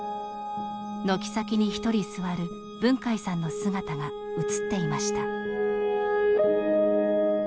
軒先に１人座る文海さんの姿が写っていました。